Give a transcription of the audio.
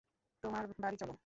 তোমার বাড়ি চলো।